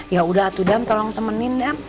ya udah aku dam tolong temenin dam